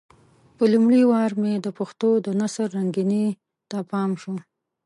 په لومړي وار مې د پښتو د نثر رنګينۍ ته پام شو.